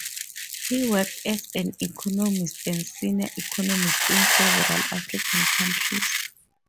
He worked as an economist and senior economist in several African countries.